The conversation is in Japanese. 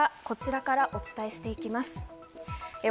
まずはこちらからお伝えしていきます。